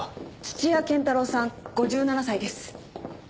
土屋健太郎さん５７歳です。